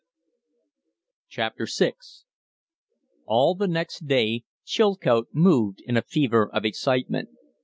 VI All the next day Chilcote moved in a fever of excitement.